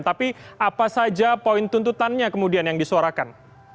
tapi apa saja poin tuntutannya kemudian yang disuarakan